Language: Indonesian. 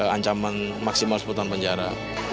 ancaman maksimal sebutan penjara